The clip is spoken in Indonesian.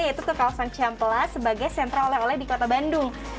yaitu ke kawasan cihamplas sebagai sentra oleh oleh di kota bandung